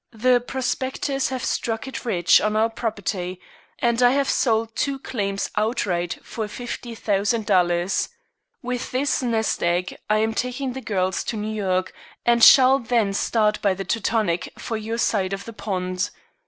The prospectors have struck it rich on our property, and I have sold two claims outright for $50,000. With this nest egg I am taking the girls to New York, and shall then start by the Teutonic for your side of the pond.